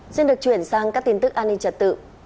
xin được chuyển sang các tin tức an ninh trật tự